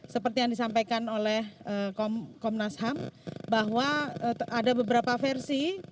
seperti yang disampaikan oleh komnas ham bahwa ada beberapa versi